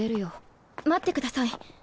待ってください。